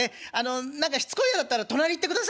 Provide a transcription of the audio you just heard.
何かしつこいようだったら隣行ってください。